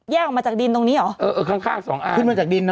ออกมาจากดินตรงนี้เหรอเออเออข้างข้างสองอ่างขึ้นมาจากดินนะ